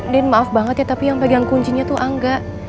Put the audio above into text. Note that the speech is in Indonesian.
den maaf banget ya tapi yang pegang kuncinya tuh angga